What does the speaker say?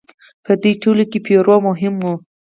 په دوی ټولو کې پیرو مهم و.